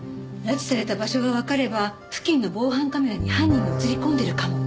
拉致された場所がわかれば付近の防犯カメラに犯人が映り込んでいるかも。